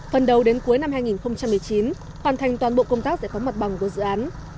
phần đầu đến cuối năm hai nghìn một mươi chín hoàn thành toàn bộ công tác giải phóng mặt bằng của dự án